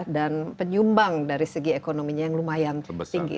dan penyumbang dari segi ekonominya yang lumayan tinggi